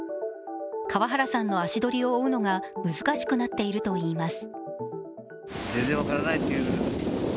川原さんの足取りを追うのが難しくなっているといいます。